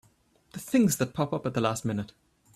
The things that pop up at the last minute!